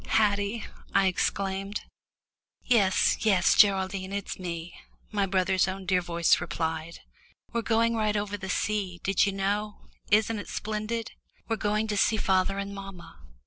"Haddie," I exclaimed. "Yes, yes, Geraldine, it's me," my brother's own dear voice replied. "We're going right over the sea did you know? isn't it splendid? We're going to see father and mamma.